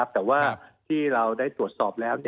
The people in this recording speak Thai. แต่ว่าที่เราได้ตรวจสอบแล้ว